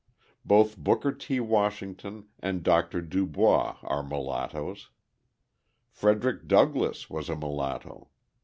Both Booker T. Washington and Dr. DuBois are mulattoes. Frederick Douglass was a mulatto.